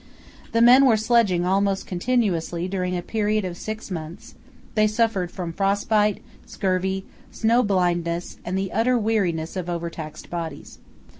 The men were sledging almost continuously during a period of six months; they suffered from frost bite, scurvy, snow blindness, and the utter weariness of overtaxed bodies.